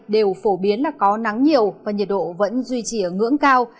đều phổ biến là có nắng nhiều và nhiệt độ vẫn duy trì ở ngưỡng cao